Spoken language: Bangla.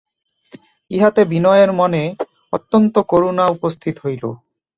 ইহাতে বিনয়ের মনে অত্যন্ত একটি করুণা উপস্থিত হইল।